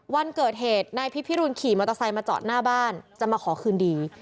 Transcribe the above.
วันเกิดเหตุนายพิพิรุณขี่มอเตอร์ไซค์มาจอดหน้าบ้านจะมาขอคืนดี